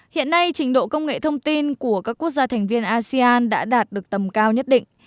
hiện nay trình độ công nghệ thông tin của các quốc gia thành viên asean đã đạt được tầm cao nhất định